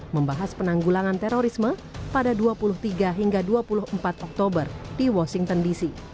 membahas penanggulangan terorisme pada dua puluh tiga hingga dua puluh empat oktober di washington dc